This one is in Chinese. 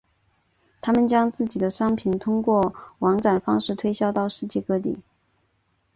他们将自己的商品通过网展方式推销到世界各地。